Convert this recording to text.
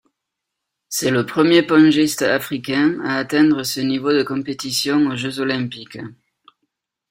C'est le premier pongiste africain à atteindre ce niveau de compétition aux Jeux olympiques.